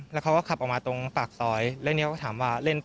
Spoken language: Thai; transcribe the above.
ใช่ที่โดนยิงครับที่โดนแล้วยิง